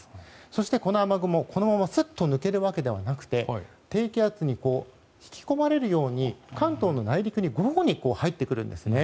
そして、この雨雲、このまますっと抜けるわけではなくて低気圧に引き込まれるように関東の内陸に、午後に入ってくるんですね。